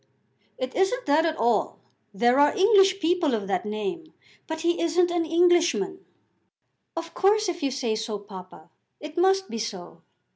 "It isn't that at all. There are English people of that name; but he isn't an Englishman." "Of course, if you say so, papa, it must be so.